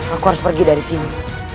aku harus pergi dari sini